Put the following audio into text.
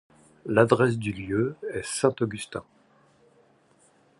L'adresse du lieu est rue Saint-Augustin.